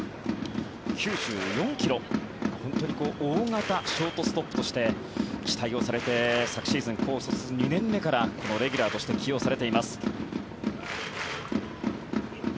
本当に大型ショートストップとして期待をされて昨シーズン、高卒２年目からレギュラーとして起用されています。